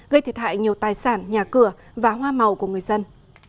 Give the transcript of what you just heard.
gây thiệt hại nhiều tài sản nhà cửa và hoa màu của người dân